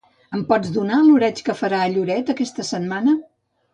Em pots donar l'oreig que farà a Lloret aquesta setmana?